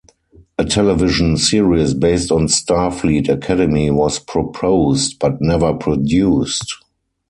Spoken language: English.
A television series based on Starfleet Academy was proposed, but never produced.